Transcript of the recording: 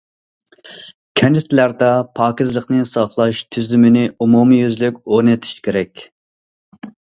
كەنتلەردە پاكىزلىقنى ساقلاش تۈزۈمىنى ئومۇميۈزلۈك ئورنىتىش كېرەك.